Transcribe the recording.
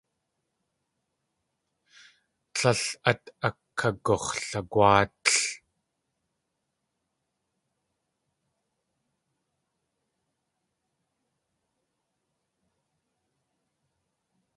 Tlél át akagux̲lagwáatl.